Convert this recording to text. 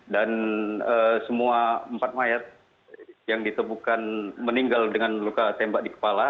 dan semua empat mayat yang ditemukan meninggal dengan luka tembak di kepala